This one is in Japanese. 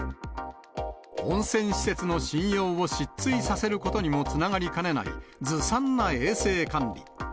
温泉施設の信用を失墜させることにもつながりかねない、ずさんな衛生管理。